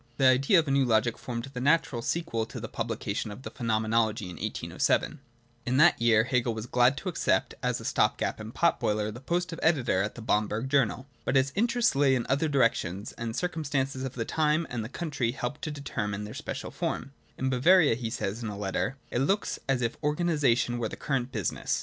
The idea of a new Logic formed the natural sequel to the publication of the Phenomenology in 1807. In that year Hegel was glad to accept, as a stop gap and pot boiler, the post of editor of the Bamberg Journal. But his interests lay in other directions, and the circum stances of the time and country helped to determine their special form. 'In Bavaria,' he says in a letter*, ' it looks as if organisation were the current business.'